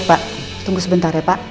pak tunggu sebentar ya pak